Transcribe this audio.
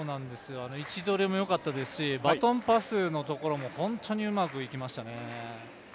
位置取りもよかったですし、バトンパスのところも本当にうまくいきましたね。